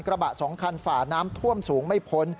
กระบะ๒คันฝ่าน้ำท่วมสูงไม่พ้น